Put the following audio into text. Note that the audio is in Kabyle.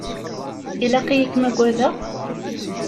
Ilaq-iyi ad kem-agadeɣ?